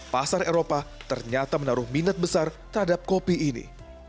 pasar eropa ternyata menaruh minat besar terhadap kopi ini